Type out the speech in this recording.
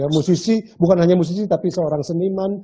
musisi bukan hanya musisi tapi seorang seniman